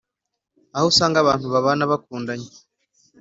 aho usanga abantu babana bakundanye